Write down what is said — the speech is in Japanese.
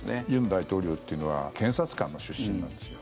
尹大統領というのは検察官の出身なんですよ。